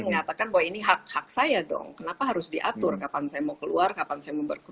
mengatakan bahwa ini hak hak saya dong kenapa harus diatur kapan saya mau keluar kapan saya mau